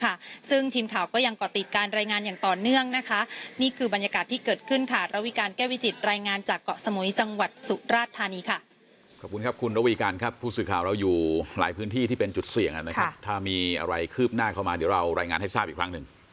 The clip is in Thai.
ครับคุณทีมข่าก็ยังกอติดการรายงานอย่างต่อเนื่องนะคะ